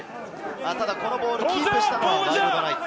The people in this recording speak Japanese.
ただ、このボールキープしたのはワイルドナイツ。